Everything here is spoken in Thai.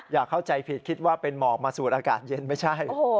อย่าเข้าใจผิดคิดว่าเป็นหมอกมาสูดอากาศเย็นไม่ใช่